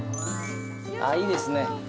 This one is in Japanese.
ああいいですね。